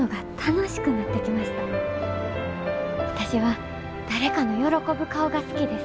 私は誰かの喜ぶ顔が好きです。